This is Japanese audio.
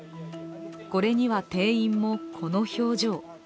これには店員も、この表情。